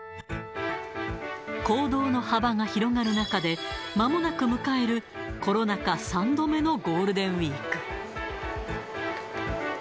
行動の幅が広がる中で、まもなく迎えるコロナ禍３度目のゴールデンウィーク。